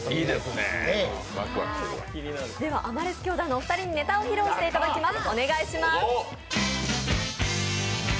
アマレス兄弟のお二人にネタを披露していただきます。